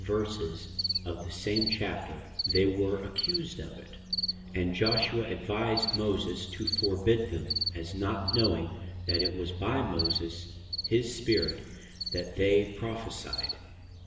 verses of the same Chapter, they were accused of it, and Joshua advised Moses to forbid them, as not knowing that it was by Moses his Spirit that they Prophecyed.